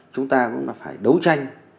chúng ta cũng phải đấu tranh